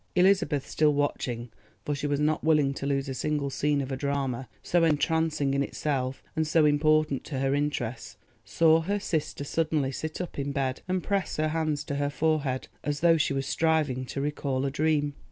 Elizabeth still watching, for she was not willing to lose a single scene of a drama so entrancing in itself and so important to her interests, saw her sister suddenly sit up in bed and press her hands to her forehead, as though she was striving to recall a dream.